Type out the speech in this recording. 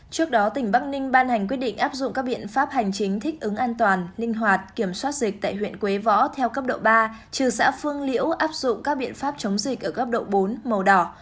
trước đó tỉnh bắc ninh ban hành quyết định áp dụng các biện pháp hành chính thích ứng an toàn linh hoạt kiểm soát dịch tại huyện quế võ theo cấp độ ba trừ xã phương liễu áp dụng các biện pháp chống dịch ở cấp độ bốn màu đỏ